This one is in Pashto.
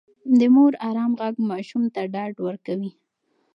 د مور ارام غږ ماشوم ته ډاډ ورکوي.